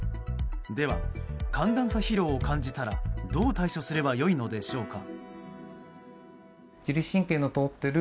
では、寒暖差疲労を感じたらどう対処すればよいのでしょうか。